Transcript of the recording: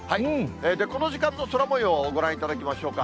この時間の空もよう、ご覧いただきましょうか。